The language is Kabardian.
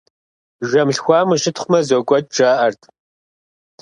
Жэм лъхуам ущытхъумэ, зокӀуэкӀ, жаӀэрт.